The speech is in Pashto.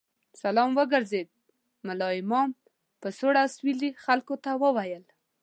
سلام وګرځېد، ملا امام په سوړ اسوېلي خلکو ته وویل.